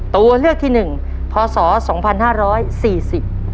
ตัวเลือกที่หนึ่งพศสองพันห้าร้อยสี่สิบ